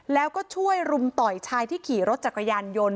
แล้วก็ช่วยรุมต่อยชายที่ขี่รถจักรยานยนต์